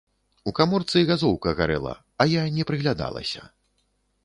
У каморцы газоўка гарэла, а я не прыглядалася.